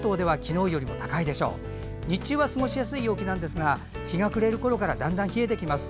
日中は過ごしやすい陽気ですが日が暮れるころからだんだん冷えてきます。